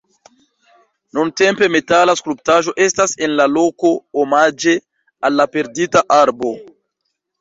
Nuntempe metala skulptaĵo estas en la loko omaĝe al la perdita arbo..